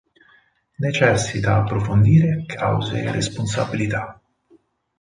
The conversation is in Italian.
Necessita approfondire cause e responsabilità.